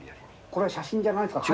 これは写真じゃないんですか？